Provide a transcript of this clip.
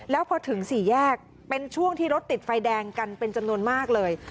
แล้วพอถึงสี่แยกเป็นช่วงที่รถติดไฟแดงกันเป็นจำนวนมากเลย